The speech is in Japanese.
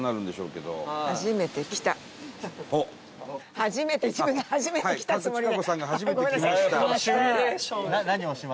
初めて自分が初めて来たつもりで。